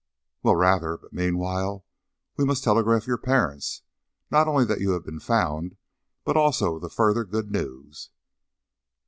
"Well, rather! But meanwhile, we must telegraph your parents not only that you have been found, but also the further good news."